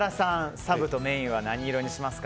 サブとメインは何にしますか？